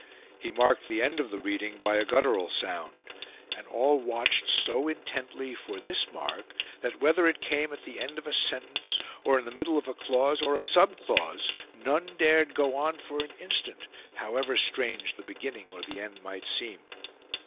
He marked the end of the reading by a guttural sound. And all watched so intently for this mark that whether it came at the end of a sentence 69 THE MONK'S DILEMMA or in the middle of a clause or a sub clause, none dared go on for an instant, however strange the beginning or the end might seem.